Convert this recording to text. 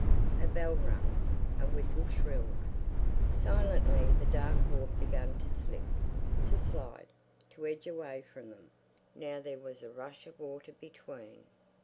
A bell rang; a whistle shrilled. Silently the dark wharf began to slip, to slide, to edge away from them. Now there was a rush of water between.